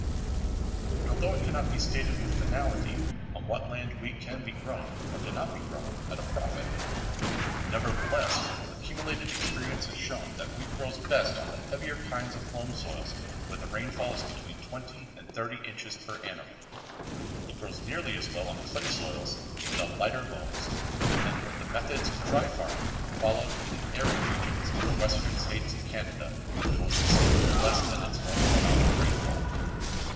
But although it cannot be stated with finality on what land wheat can be grown, or cannot be grown, at a profit, nevertheless accumulated experience has shown that wheat grows best on the heavier kinds of loam soils where the rainfall is between 20 and 30 inches per annum. It grows nearly as well on clay soils and on lighter loams, and with the methods of dry farming followed in the arid regions of the Western States and Canada, it will succeed with less than its normal amount of rainfall.